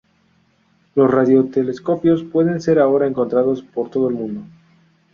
Los radiotelescopios pueden ser ahora encontrados por todo el mundo.